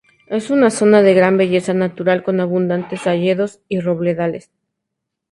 Es una zona de una gran belleza natural con abundantes hayedos y robledales.